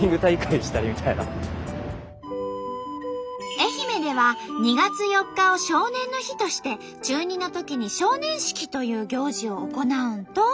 愛媛では２月４日を「少年の日」として中２のときに「少年式」という行事を行うんと。